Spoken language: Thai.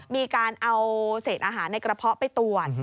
มีการเอาเศษอาหารในกระเพาะไปตรวจ